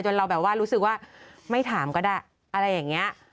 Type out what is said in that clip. เราแบบว่ารู้สึกว่าไม่ถามก็ได้อะไรอย่างนี้